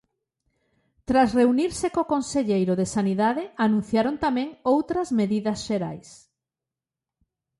Tras reunirse co conselleiro de Sanidade anunciaron tamén outras medidas xerais.